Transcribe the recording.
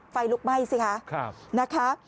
ไฟลุกไหม้สิฮะ